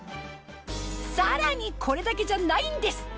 さらにこれだけじゃないんです！